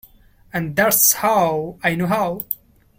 And that's how I know how.